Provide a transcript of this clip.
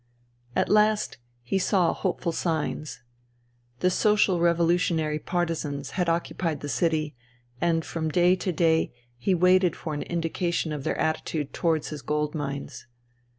At last he saw hopeful signs. The Social Revolu tionary partisans had occupied the city, and from day to day he waited for an indication of their attitude towards his gold mines.